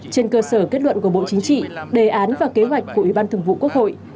trên cơ sở kết luận của bộ chính trị đề án và kế hoạch của ủy ban thường vụ quốc hội